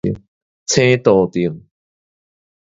青杜定